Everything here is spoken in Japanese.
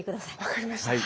分かりました。